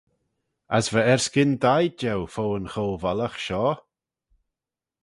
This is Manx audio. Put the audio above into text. As va erskyn da-eed jeu fo yn cho-vollaght shoh.